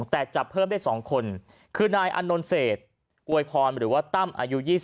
แต่จับเพิ่มได้๒คนคือนายอนนท์เศษอวยพรหรือว่าตั้มอายุ๒๐